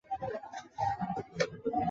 儿时就有想当歌手的心愿。